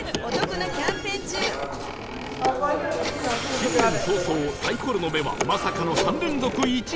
新年早々サイコロの目はまさかの３連続「１」